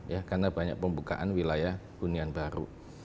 ya karena banyak pembukaan wilayah hunian baru